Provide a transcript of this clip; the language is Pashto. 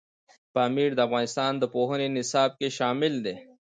پامیر د افغانستان د پوهنې نصاب کې شامل دي.